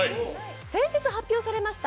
先日発表されました